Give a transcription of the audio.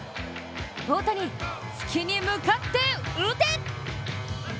大谷、月に向かって打て！